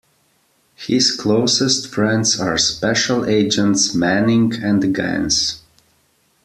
His closest friends are Special Agents Manning and Gans.